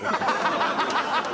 ハハハハ！